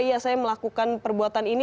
iya saya melakukan perbuatan ini